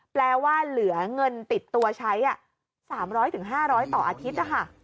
แปลว่าเหลือเงินติดตัวใช้๓๐๐๕๐๐ต่ออาทิตย์นะคะ